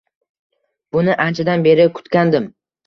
Buni anchadan beri kutgandim.